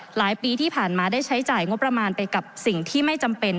หลายปีที่ผ่านมาได้ใช้จ่ายงบประมาณไปกับสิ่งที่ไม่จำเป็น